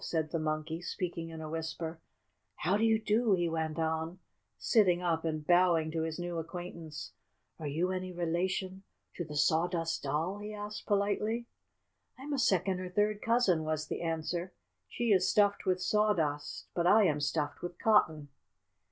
said the Monkey, speaking in a whisper. "How do you do?" he went on, sitting up and bowing to his new acquaintance. "Are you any relation to the Sawdust Doll?" he asked politely. "I'm a second or third cousin," was the answer. "She is stuffed with sawdust, but I am stuffed with cotton."